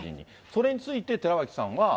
それについて、寺脇さんは。